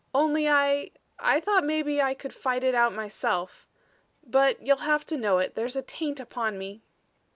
"Only I I thought maybe I could fight it out myself. But you'll have to know it there's a taint upon me."